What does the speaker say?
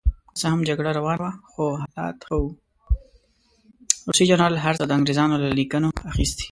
روسي جنرال هر څه د انګرېزانو له لیکنو اخیستي.